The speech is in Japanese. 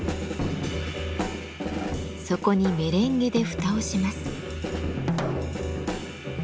そこにメレンゲで蓋をします。